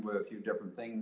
beberapa hal yang akan datang